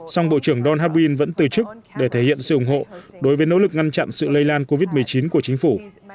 song bộ trưởng don hobwin vẫn từ chức để thể hiện sự ủng hộ đối với nỗ lực ngăn chặn sự lây lan covid một mươi chín của chính phủ